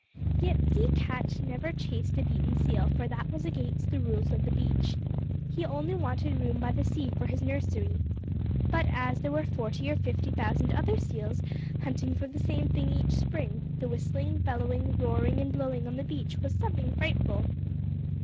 Yet Sea Catch never chased a beaten seal, for that was against the Rules of the Beach. He only wanted room by the sea for his nursery. But as there were forty or fifty thousand other seals hunting for the same thing each spring, the whistling, bellowing, roaring, and blowing on the beach was something frightful.